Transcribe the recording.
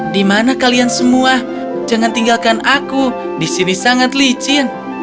di mana kalian semua jangan tinggalkan aku di sini sangat licin